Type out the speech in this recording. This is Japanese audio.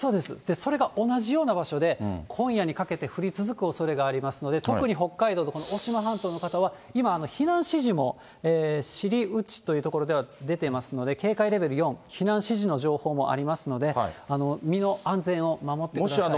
それが同じような場所で、今夜にかけて降り続くおそれがありますので、特に北海道のこの渡島半島の方は、今、避難指示もしりうちという所では出ていますので、警戒レベル４、避難指示の情報もありますので、身の安全を守ってください。